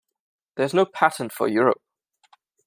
There is no patent for Europe.